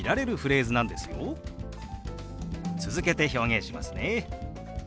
続けて表現しますね。